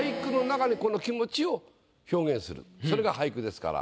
それが俳句ですから。